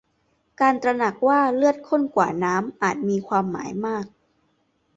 การตระหนักว่าเลือดข้นกว่าน้ำอาจมีความหมายมาก